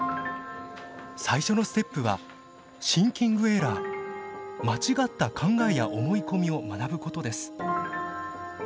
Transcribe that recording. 最初のステップはシンキングエラー間違った考えや思い込みを学ぶことです。